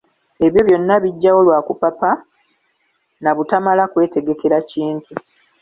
Ebyo byonna bijjawo lwa kupapa nabutamala kwetegekera kintu.